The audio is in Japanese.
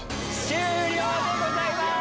終了でございます。